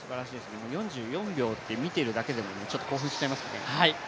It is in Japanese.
４４秒って見てるだけでちょっと興奮しちゃいますね。